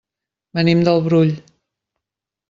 Venim del Brull.